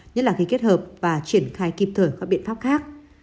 nhất là khi kết hợp và triển khai kịp thời các biện pháp khác